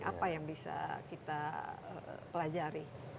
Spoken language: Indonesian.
apa yang bisa kita pelajari